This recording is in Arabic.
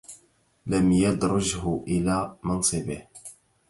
لم يدرجه إلى منصبه